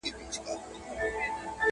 o پاړوگر د مار له لاسه مري٫